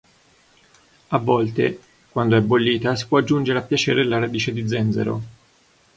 A volte, quando è bollita si può aggiungere a piacere la radice di zenzero.